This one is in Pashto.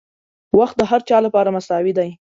• وخت د هر چا لپاره مساوي دی.